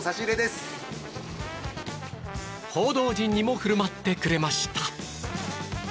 報道陣にも振る舞ってくれました。